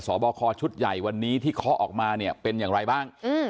บคอชุดใหญ่วันนี้ที่เคาะออกมาเนี่ยเป็นอย่างไรบ้าง